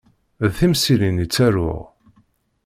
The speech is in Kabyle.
D timsirin i ttaruɣ.